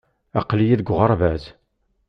Aql-iyi deg uɣerbaz.